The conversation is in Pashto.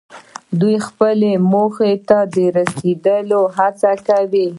دوی خپلو موخو ته د رسیدو هڅه کوي.